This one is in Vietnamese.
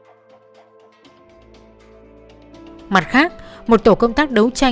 mặt khác một tổ công tác đấu tranh và một tổ công tác đấu tranh